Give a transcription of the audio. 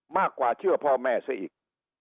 มากกว่าเชื่อพ่อแม่ซะอีก